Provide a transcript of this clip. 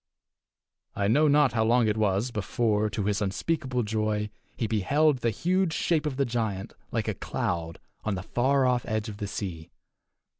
I know not how long it was before, to his unspeakable joy, he beheld the huge shape of the giant, like a cloud, on the far off edge of the sea.